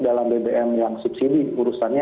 dalam bbm yang subsidi urusannya